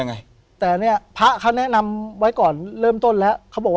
ไงแต่เนี้ยพระเขาแนะนำไว้ก่อนเริ่มต้นแล้วเขาบอกว่า